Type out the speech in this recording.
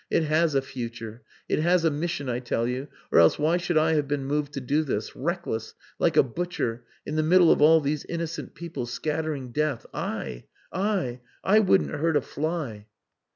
It has a future. It has a mission, I tell you, or else why should I have been moved to do this reckless like a butcher in the middle of all these innocent people scattering death I! I!... I wouldn't hurt a fly!"